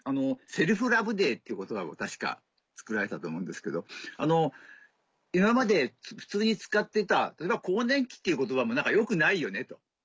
「セルフラブデー」っていう言葉を確か作られたと思うんですけど今まで普通に使ってた例えば「更年期」っていう言葉も何か良くないよねと。